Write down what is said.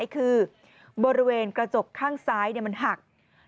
คือบริเวณกระจกข้างซ้ายมันหัก